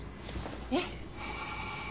えっ！